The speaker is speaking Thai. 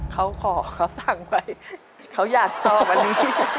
เขาขอเขาสั่งไปเขาอยากตอบอันนี้